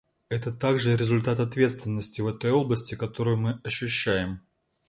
Это также результат ответственности в этой области, которую мы ощущаем.